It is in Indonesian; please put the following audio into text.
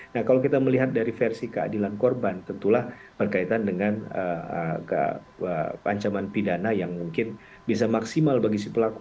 nah kalau kita melihat dari versi keadilan korban tentulah berkaitan dengan ancaman pidana yang mungkin bisa maksimal bagi si pelaku